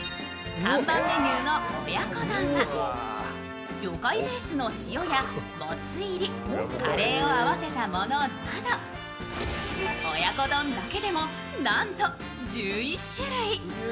看板メニューの親子丼は魚介ベースの塩やもつ入りカレーを合わせたものなど、親子丼だけでもなんと１１種類。